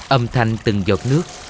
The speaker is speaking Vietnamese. âm thanh từng giọt nước